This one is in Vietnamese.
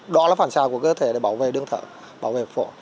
đó là phản sao của cơ thể để bảo vệ đương thở bảo vệ phổ